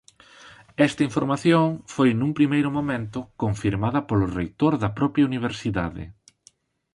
Esta información foi nun primeiro momento confirmada polo reitor da propia universidade.